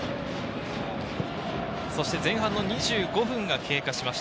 そして前半の２５分が経過しました。